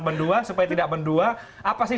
bendua supaya tidak bendua apa sih